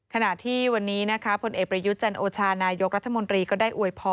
ขณะที่วันนี้นะคะผลเอกประยุทธ์จันโอชานายกรัฐมนตรีก็ได้อวยพร